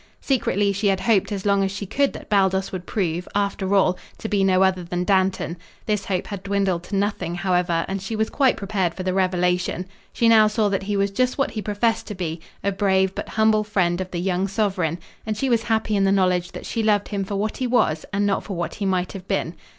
Secretly she had hoped as long as she could that Baldos would prove, after all, to be no other than Dantan. This hope had dwindled to nothing, however, and she was quite prepared for the revelation. She now saw that he was just what he professed to be a brave but humble friend of the young sovereign; and she was happy in the knowledge that she loved him for what he was and not for what he might have been.